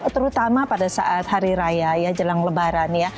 terutama pada saat hari raya ya jelang lebaran ya